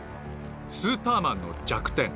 スーパーマンの弱点